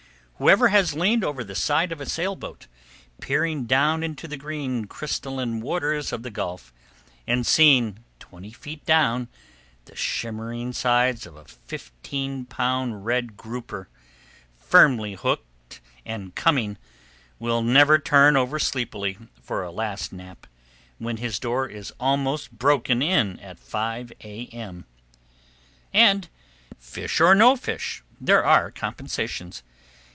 [Page 4] Whoever has leaned over the side of a sailboat, peering down into the green, crystalline waters of the Gulf, and seen, twenty feet down, the shimmering sides of a fifteen pound red grouper, firmly hooked and coming, will never turn over sleepily, for a last nap, when his door is almost broken in at 5 A.M. And, fish or no fish, there are compensations.